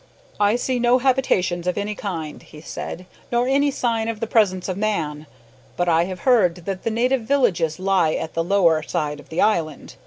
"I see no habitations of any kind," he said, "nor any sign of the presence of man, but I have heard that the native villages lie at the lower side of the island.